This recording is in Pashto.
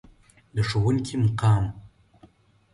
د ښوونکي مقام.